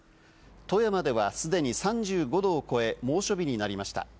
富山では既に３５度を超え、猛暑日になりました。